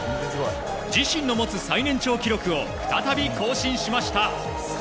自身の持つ最年長記録を再び更新しました。